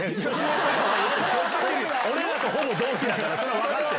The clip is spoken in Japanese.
俺らとほぼ同期だから、それは分かってる。